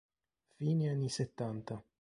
Fine anni settanta.